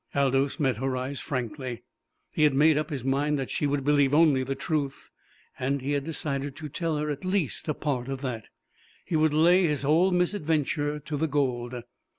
Aldous met her eyes frankly. He had made up his mind that she would believe only the truth, and he had decided to tell her at least a part of that. He would lay his whole misadventure to the gold.